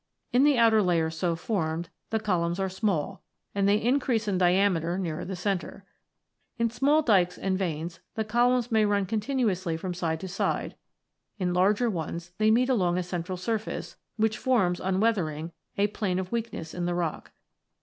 In the outer layers so formed, the columns are small, and they increase in diameter nearer the centre. In small dykes and veins, the columns may run continuously from side to side; in larger ones, they meet along a central surface, which forms, on weathering, a plane of weakness in the rock.